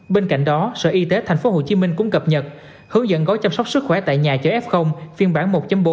bên cạnh đó sở y tế tp hcm cũng cập nhật hướng dẫn gói chăm sóc sức khỏe tại nhà cho f phiên bản một bốn